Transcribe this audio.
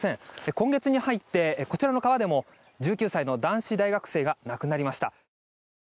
今月に入って、こちらの川でも１９歳の男子大学生が亡くなりました。